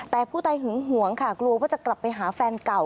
แต่ผู้ตายหึงหวงค่ะกลัวว่าจะกลับไปหาแฟนเก่า